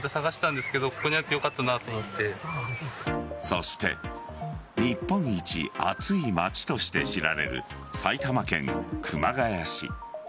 そして日本一暑い町として知られる埼玉県熊谷市。